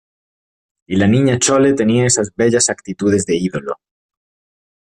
y la Niña Chole tenía esas bellas actitudes de ídolo